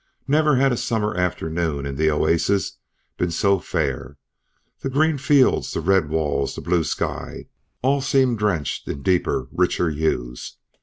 Never had a summer afternoon in the oasis been so fair. The green fields, the red walls, the blue sky, all seemed drenched in deeper, richer hues.